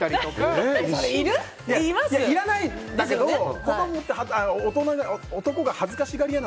いらないんだけど男が恥ずかしがり屋